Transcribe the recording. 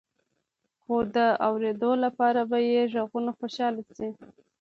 خو د اوریدلو لپاره به يې غوږونه خوشحاله شي.